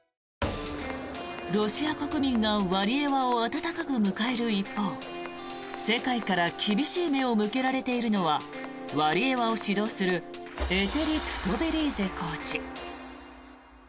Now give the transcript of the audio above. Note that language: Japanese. ロシア国民がワリエワを温かく迎える一方世界から厳しい目を向けられているのはワリエワを指導するエテリ・トゥトベリーゼコーチ。